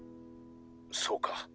そうか。